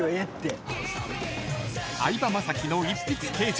［相葉雅紀の一筆啓上］